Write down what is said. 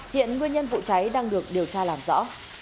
hiện nguyên nhân vụ cháy đang được điều tra làm rõ